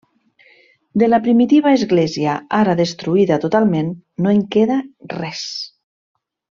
De la primitiva església, ara destruïda totalment, no en queda res.